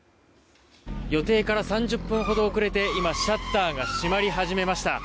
予定から３０分ほど遅れてシャッターが閉まり始めました。